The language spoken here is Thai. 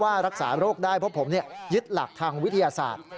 รักษาโรคได้เพราะผมยึดหลักทางวิทยาศาสตร์